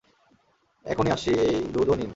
এখনই আসছি, এই দুধ ও নিন।